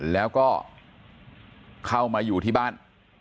แล้วก็เข้ามาอยู่ที่บ้าน